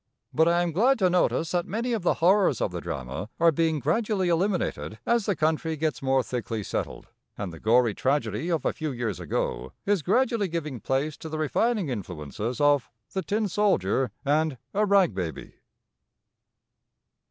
But I am glad to notice that many of the horrors of the drama are being gradually eliminated as the country gets more thickly settled, and the gory tragedy of a few years ago is gradually giving place to the refining influences of the "Tin Soldier" and "A Rag Baby."